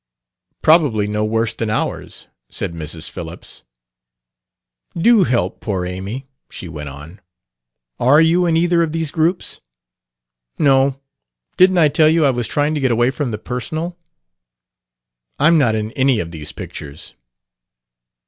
"Probably no worse than ours," said Mrs. Phillips. "Do help poor Amy," she went on. "Are you in either of these groups?" "No. Didn't I tell you I was trying to get away from the personal? I'm not in any of these pictures."